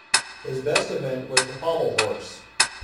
His best event was the pommel horse.